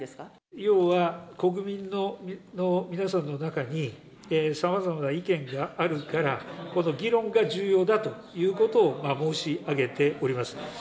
要は国民の皆さんの中に、さまざまな意見があるから、この議論が重要だということを申し上げております。